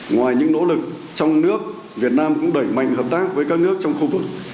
ngoài những nỗ lực trong nước việt nam cũng đẩy mạnh hợp tác với các nước trong khu vực